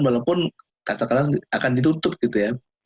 walaupun katakanlah akan ditutup gitu ya